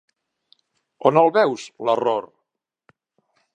On el veus, l'error?